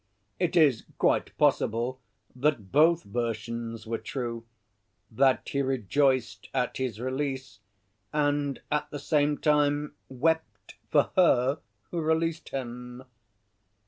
It is quite possible that both versions were true, that he rejoiced at his release, and at the same time wept for her who released him.